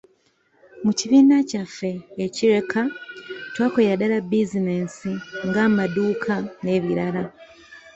Mu kibiina kyaffe e Kireka, twakolera ddala bizinensi ng'amaduuka, n'ebirala.